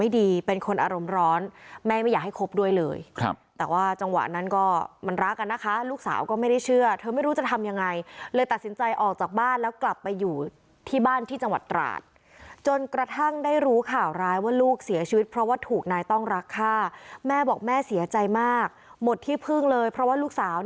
เป็นคนอารมณ์ร้อนแม่ไม่อยากให้คบด้วยเลยครับแต่ว่าจังหวะนั้นก็มันรักกันนะคะลูกสาวก็ไม่ได้เชื่อเธอไม่รู้จะทำยังไงเลยตัดสินใจออกจากบ้านแล้วกลับไปอยู่ที่บ้านที่จังหวัดตราดจนกระทั่งได้รู้ข่าวร้ายว่าลูกเสียชีวิตเพราะว่าถูกนายต้องรักฆ่าแม่บอกแม่เสียใจมากหมดที่พึ่งเลยเพราะว่าลูกสาว